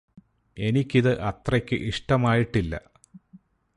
എനിക്കിത് അത്രക്ക് ഇഷ്ടമായിട്ടില്ലാ